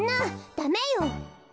ダメよ。